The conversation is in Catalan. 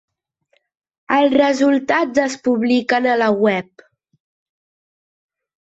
Els resultats es publiquen a la web.